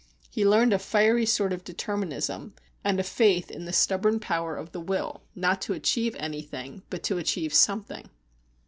He learned a fiery sort of Determinism, and a faith in the stubborn power of the will, not to achieve anything, but to achieve something.